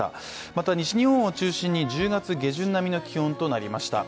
また西日本を中心に１０月下旬並みの気温となりました。